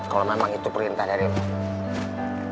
kalau memang itu perintah dari presiden